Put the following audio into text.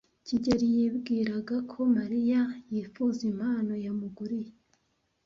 kigeli yibwiraga ko Mariya yifuza impano yamuguriye.